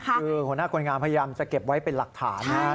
คือหัวหน้าคนงานพยายามจะเก็บไว้เป็นหลักฐานนะครับ